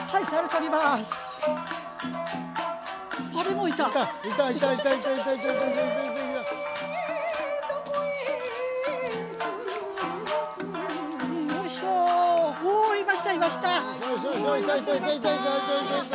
おいましたいました。